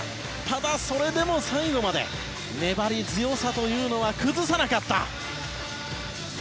ただ、それでも最後まで粘り強さというのは崩さなかった。